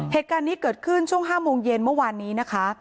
เหตุการณ์นี้เกิดขึ้นช่วง๕โมงเย็นเมื่อวานนี้นะคะ